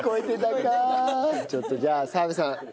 ちょっとじゃあ澤部さん